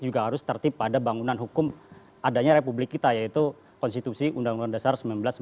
juga harus tertip pada bangunan hukum adanya republik kita yaitu konstitusi undang undang dasar seribu sembilan ratus empat puluh